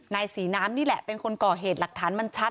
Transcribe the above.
นายศรีน้ำนี่แหละเป็นคนก่อเหตุหลักฐานมันชัด